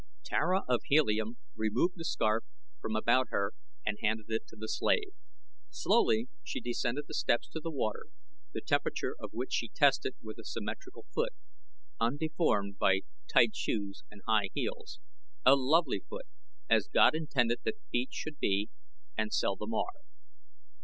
Tara of Helium removed the scarf from about her and handed it to the slave. Slowly she descended the steps to the water, the temperature of which she tested with a symmetrical foot, undeformed by tight shoes and high heels a lovely foot, as God intended that feet should be and seldom are.